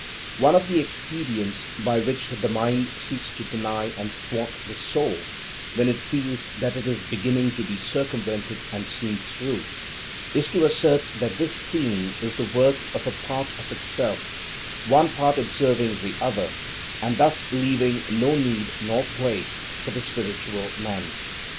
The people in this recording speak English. One of the expedients by which the "mind" seeks to deny and thwart the Soul, when it feels that it is beginning to be circumvented and seen through, is to assert that this seeing is the work of a part of itself, one part observing the other, and thus leaving no need nor place for the Spiritual Man.